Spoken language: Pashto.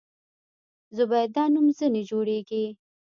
زبیده نوم ځنې جوړېږي.